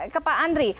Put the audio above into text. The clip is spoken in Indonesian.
ke pak andri